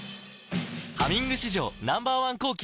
「ハミング」史上Ｎｏ．１抗菌